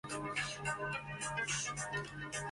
吴尊其后发展重心转战大银幕拍摄电影和电视剧。